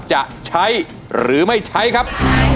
จะใช้หรือไม่ใช้ครับ